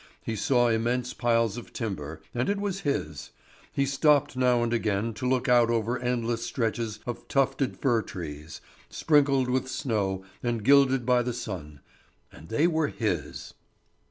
He saw immense piles of timber, and it was his; he stopped now and again to look out over endless stretches of tufted fir trees, sprinkled with snow and gilded by the sun, and they were his.